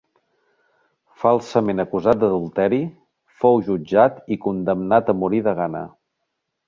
Falsament acusat d'adulteri, fou jutjat i condemnat a morir de gana.